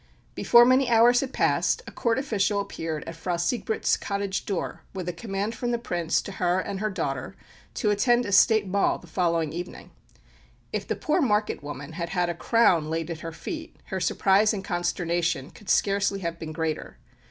Before many hours had passed, a Court official appeared at Frau Sigbrit's cottage door with a command from the Prince to her and her daughter to attend a State ball the following evening. If the poor market woman had had a crown laid at her feet, her surprise and consternation could scarcely have been greater.